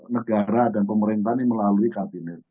negara dan pemerintah ini melalui kabinet